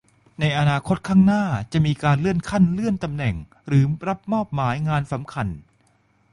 ในอนาคตข้างหน้าจะมีการเลื่อนขั้นเลื่อนตำแหน่งหรือรับมอบหมายงานสำคัญ